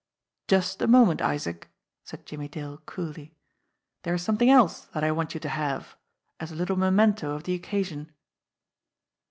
"Just a moment, Isaac," said Jimmie Dale coolly. "There is something else that I want you to have as a little me mento of the occasion."